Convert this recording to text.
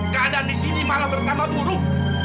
keadaan di sini malah bertambah buruk